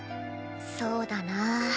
そうだなぁ。